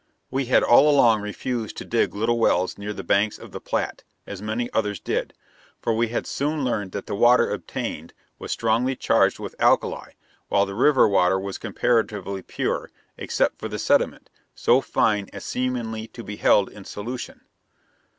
We had all along refused to dig little wells near the banks of the Platte, as many others did; for we had soon learned that the water obtained was strongly charged with alkali, while the river water was comparatively pure, except for the sediment, so fine as seemingly to be held in solution.